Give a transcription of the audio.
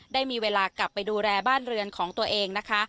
ได้มีเวลากลับไปดูแลบ้านเรือนของตัวเองนะคะ